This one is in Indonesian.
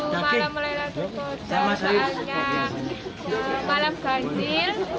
saatnya malam ganjil